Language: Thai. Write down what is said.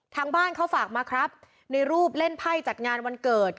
ทางบ้านเขาฝากมาครับในรูปเล่นไพ่จัดงานวันเกิด